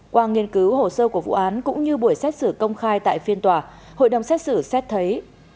qua nghiên cứu hồ sơ của vụ án cũng như buổi xét xử công khai tại phiên tòa hội đồng xét xử xét thấy